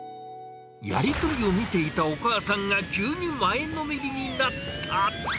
やり取りを見ていたお母さんが急に前のめりになった。